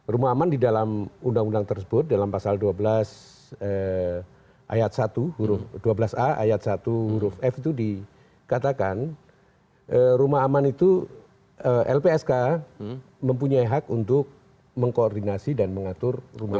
rumah aman di dalam undang undang tersebut dalam pasal dua belas ayat satu huruf f itu dikatakan rumah aman itu lpsk mempunyai hak untuk mengkoordinasi dan mengatur rumah aman